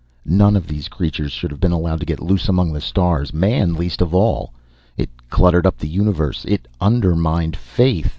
None of these creatures should have been allowed to get loose among the stars, Man least of all. It cluttered up the Universe. It undermined Faith.